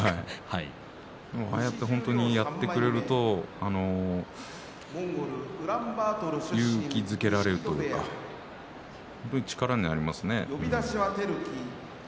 ああやって本当にやってくれると勇気づけられるというか力になりますね。